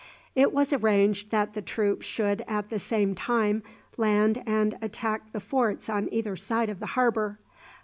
It was arranged that the troops should at the same time land and attack the forts on either side of the harbour.